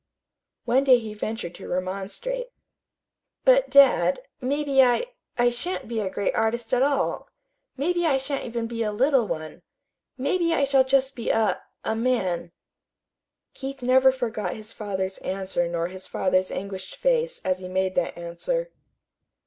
One day he ventured to remonstrate. "But, dad, maybe I I shan't be a great artist at all. Maybe I shan't be even a little one. Maybe I shall be just a a man." Keith never forgot his father's answer nor his father's anguished face as he made that answer.